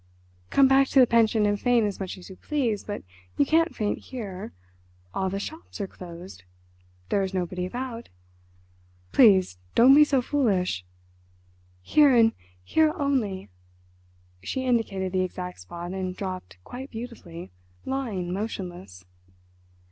"Come back to the pension and faint as much as you please. But you can't faint here. All the shops are closed. There is nobody about. Please don't be so foolish." "Here and here only!" She indicated the exact spot and dropped quite beautifully, lying motionless.